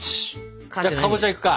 じゃあかぼちゃいくか。